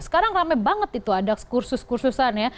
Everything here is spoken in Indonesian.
sekarang rame banget itu ada kursus kursusan ya